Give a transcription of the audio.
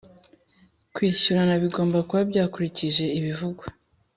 kwishyurana bigomba kuba byakurikije ibivugwa